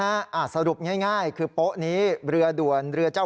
แล้วบางครั้งตรงโป๊ะก็มีประชาชนมาทำบุญปล่าตรงโป๊ะดังกล่าวอยู่บ่อยครั้งนะครับ